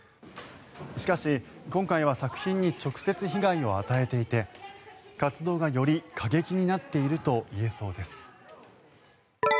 しかし、今回は作品に直接被害を与えていて活動がより過激になっているといえそうです。